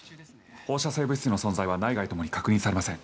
放射性物質の存在は内外ともに確認されません。